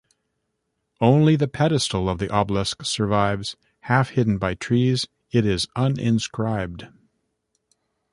Only the pedestal of the obelisk survives, half-hidden by trees; it is uninscribed.